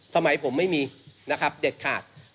สมัยผมไม่มีนะครับเด็ดขาด